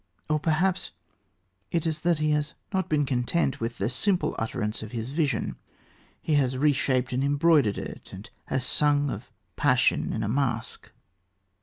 Or, perhaps, it is that he has not been content with the simple utterance of his vision. He has reshaped and embroidered it, and has sung of passion in a mask.